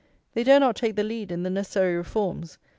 They dare not take the lead in the necessary reforms.